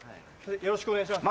よろしくお願いします。